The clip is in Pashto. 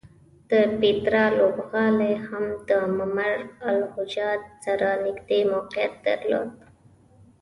د پیترا لوبغالی هم د ممر الوجحات سره نږدې موقعیت درلود.